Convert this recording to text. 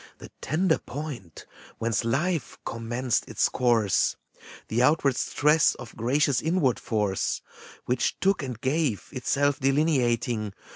The tender point, whence Life commenced its course, The outward stress of gracious inward force, Which took and gave, itself delineating.